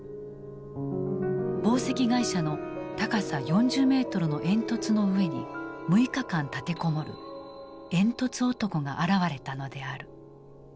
紡績会社の高さ４０メートルの煙突の上に６日間立て籠もる「煙突男」が現れたのである。